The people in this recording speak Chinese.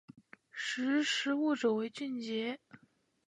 识时务者为俊杰